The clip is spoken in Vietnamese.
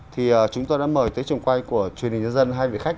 thì chúng tôi đã mời tới trường quay của truyền hình nhân dân hai vị khách